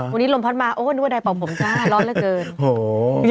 วันนี้ลมพัดมาโอ้นึกว่าใดเป่าผมจ้าร้อนเหลือเกินโอ้โห